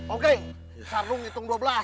oke sarung hitung dua belas